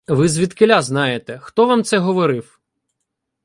— Ви звідкіля знаєте? Хто вам це говорив?